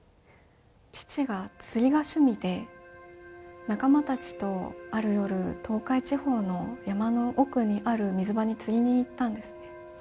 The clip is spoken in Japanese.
父が釣りが趣味で仲間たちとある夜、東海地方の山の奥にある水場に釣りに行ったんです。